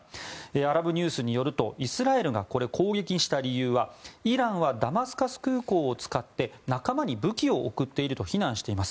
アラブニュースによるとイスラエルがこれを攻撃した理由はイランはダマスカス空港を使って仲間に武器を送っていると非難しています。